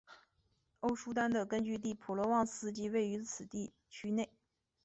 欧舒丹的根据地普罗旺斯即位于此地区内。